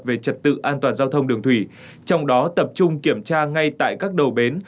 về trật tự an toàn giao thông đường thủy trong đó tập trung kiểm tra ngay tại các đầu bến